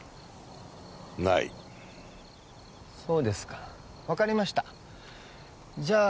ないそうですか分かりましたじゃあ